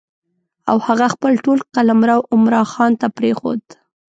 او هغه خپل ټول قلمرو عمرا خان ته پرېښود.